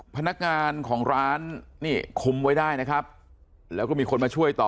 พนักงานของร้านนี่คุมไว้ได้นะครับแล้วก็มีคนมาช่วยต่อ